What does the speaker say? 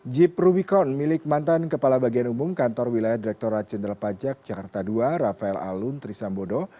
jeep rubicon milik mantan kepala bagian umum kantor wilayah direkturat jenderal pajak jakarta ii rafael alun trisambodo